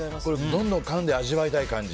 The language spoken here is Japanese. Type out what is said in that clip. どんどんかんで味わいたい感じ。